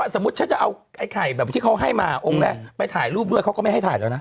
สมมุติฉันจะเอาไอ้ไข่แบบที่เขาให้มาองค์แรกไปถ่ายรูปด้วยเขาก็ไม่ให้ถ่ายแล้วนะ